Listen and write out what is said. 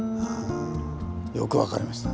よく分かりました。